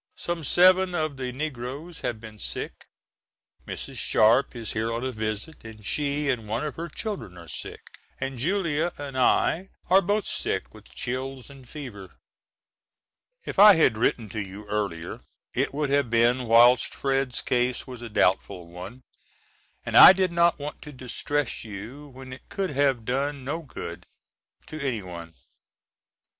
Some seven of the negroes have been sick. Mrs. Sharp is here on a visit, and she and one of her children are sick; and Julia and I are both sick with chills and fever. If I had written to you earlier it would have been whilst Fred's case was a doubtful one, and I did not want to distress you when it could have done no good to anyone.